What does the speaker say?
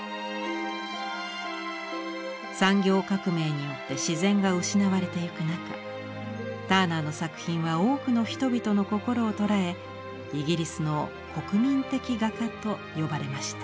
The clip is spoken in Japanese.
産業革命によって自然が失われていく中ターナーの作品は多くの人々の心を捉えイギリスの国民的画家と呼ばれました。